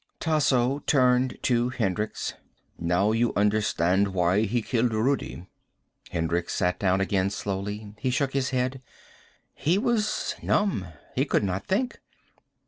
Tasso turned to Hendricks. "Now you understand why he killed Rudi." Hendricks sat down again slowly. He shook his head. He was numb. He could not think.